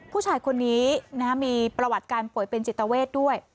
ผู้ชายคนนี้มีประวัติการป่วยเป็นจิตเวทด้วย